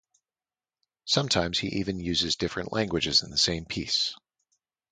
Sometimes he even uses different languages in the same piece.